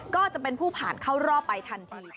ก็จะเป็นผู้ผ่านเข้ารอบไปทันที